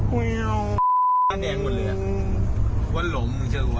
หนีเร็วมันแดงหมดเลยอ่ะ